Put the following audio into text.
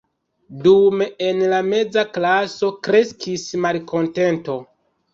Dume en la meza klaso kreskis malkontento.